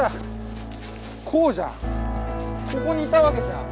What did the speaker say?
ここにいたわけじゃん。